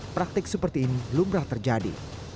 praktik seperti ini lumrah terjadi